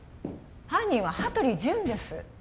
犯人は羽鳥潤です